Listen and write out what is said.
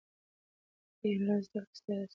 ایا انلاین زده کړه ستا استعداد لوړوي؟